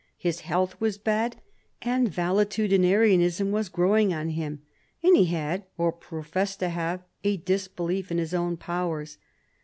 His health was bad, and valetudinarianism was growing on him ; and he had, or professed to have, a disbelief in his own powers.